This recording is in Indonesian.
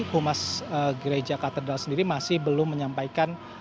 humas gereja katedral sendiri masih belum menyampaikan